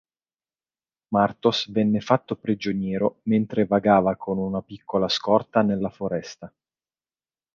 Martos venne fatto prigioniero mentre vagava con una piccola scorta nella foresta.